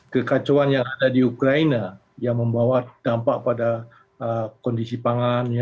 kekacauan yang ada di ukraina yang membawa dampak pada kondisi pangan